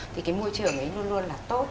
thì cái môi trường ấy luôn luôn là tốt